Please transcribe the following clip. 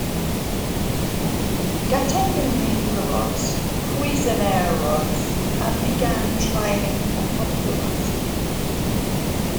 Gattegno named the rods "Cuisenaire rods" and began trialing and popularizing them.